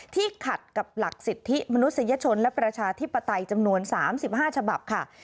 ขัดกับหลักสิทธิมนุษยชนและประชาธิปไตยจำนวน๓๕ฉบับค่ะ